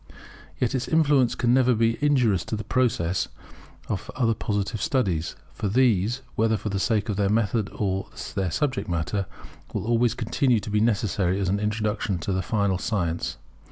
Yet its influence can never be injurious to the progress of other Positive studies; for these, whether for the sake of their method or of their subject matter, will always continue to be necessary as an introduction to the final science.